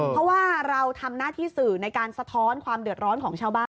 เพราะว่าเราทำหน้าที่สื่อในการสะท้อนความเดือดร้อนของชาวบ้าน